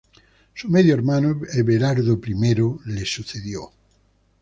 Su medio hermano Everardo I le sucedió.